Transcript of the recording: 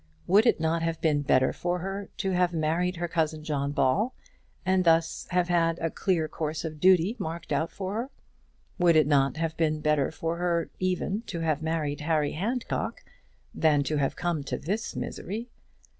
Would it not have been better for her to have married her cousin John Ball, and thus have had a clear course of duty marked out for her? Would it not have been better for her even to have married Harry Handcock than to have come to this misery?